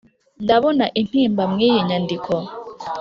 ndabona intimba mu iyi nyandiko